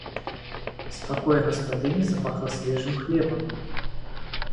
З пакоя гаспадыні запахла свежым хлебам.